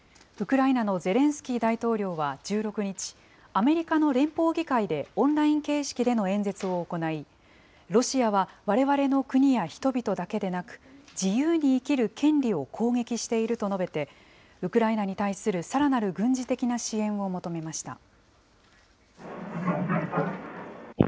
ウクライナのゼレンスキー大統領は１６日、アメリカの連邦議会でオンライン形式での演説を行いロシアは、われわれの国や人々だけでなく自由に生きる権利を攻撃していると述べてウクライナに対するさらなる軍事的な支援を求めました。